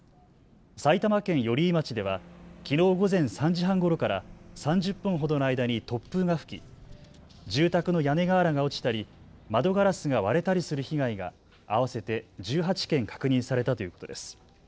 埼玉県寄居町ではきのう午前３時半ごろから３０分ほどの間に突風が吹き住宅の屋根瓦が落ちたり窓ガラスが割れたりする被害が合わせて１８件確認されたということです。